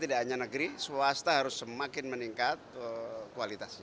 tidak hanya negeri swasta harus semakin meningkat kualitasnya